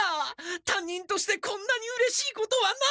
たんにんとしてこんなにうれしいことはない！